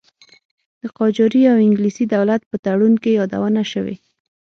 د قاجاري او انګلیسي دولت په تړون کې یادونه شوې.